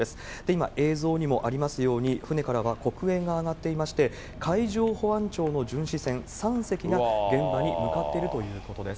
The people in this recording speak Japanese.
今映像にもありますように、船からは黒煙が上がっていまして、海上保安庁の巡視船３隻が、現場に向かっているということです。